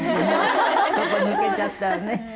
そこ抜けちゃったらね。